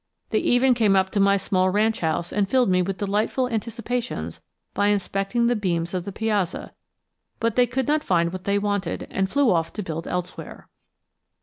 They even came up to my small ranch house and filled me with delightful anticipations by inspecting the beams of the piazza; but they could not find what they wanted and flew off to build elsewhere.